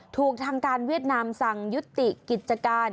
ถูกทางการเวียดนามสั่งยุติกิจการ